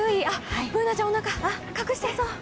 Ｂｏｏｎａちゃん、おなか隠してる！